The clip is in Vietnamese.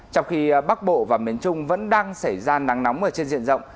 trong khi bắc bộ và miền trung vẫn đang xảy ra nắng nóng ở trên diện rộng